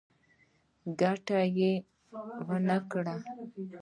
ګټه يې ونکړه.